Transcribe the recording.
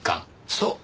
そう！